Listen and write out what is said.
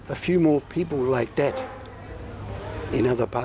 อันนี้มีรู้สึกว่าอนาคลชะเล